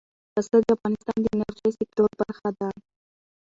پسه د افغانستان د انرژۍ د سکتور برخه ده.